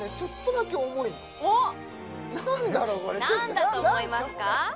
何だと思いますか？